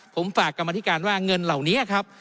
ผมฝากกรรมธิการว่าเงินเหล่านี้ครับ